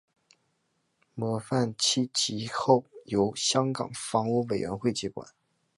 模范邨其后由香港房屋委员会接管。